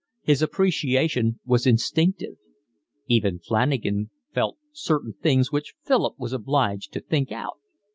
His appreciation was instinctive. Even Flanagan felt certain things which Philip was obliged to think out.